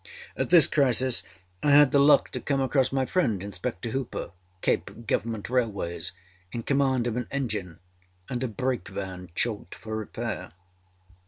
At this crisis I had the luck to come across my friend Inspector Hooper, Cape Government Railways, in command of an engine and a brake van chalked for repair.